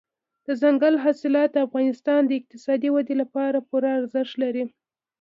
دځنګل حاصلات د افغانستان د اقتصادي ودې لپاره پوره ارزښت لري.